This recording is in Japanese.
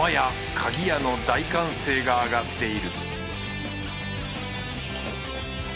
かぎや！の大歓声があがっている